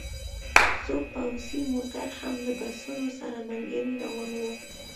څو پوځي موټر هم له بسونو سره ملګري روان وو